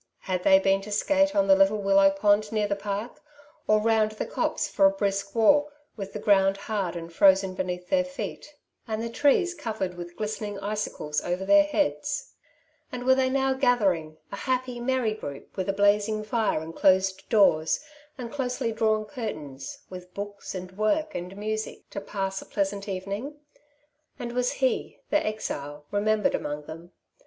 had they been to skate on the little willow pond near the park, or Toond the copse for a brisk walk, with the ground Iiard and frozen beneaili their feet, and the trees covered with glistening icicles over their heads ? and were they now gathering, a happy, merry group, •with a blazing fire, and closed doors, and closely drawn curtains — with books, and work, and music, to pass a pleasant evening ? and was he, the exile, remembered among them?